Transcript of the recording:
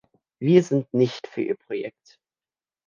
Wir sind nicht für Ihr Projekt.